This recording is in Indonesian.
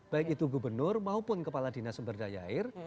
baik itu gubernur maupun kepala dinas sumberdaya air